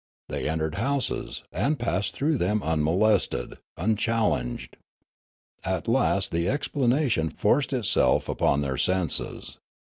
They entered houses, and passed through them unmolested, unchallenged. At last the explanation forced itself upon their senses.